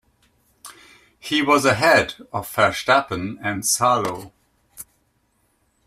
He was ahead of Verstappen and Salo.